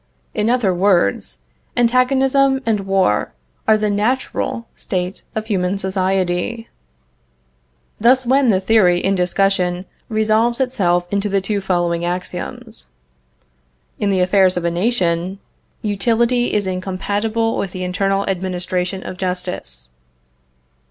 In other words, antagonism and war are the natural state of human society. Thus then the theory in discussion resolves itself into the two following axioms. In the affairs of a nation, Utility is incompatible with the internal administration of justice.